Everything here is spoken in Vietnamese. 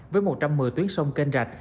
với một trăm một mươi tuyến sông kênh rạch